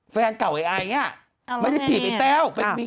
แฟนเก่าไอ้ไอเนี่ยไม่ได้จีบไอ้แต้ว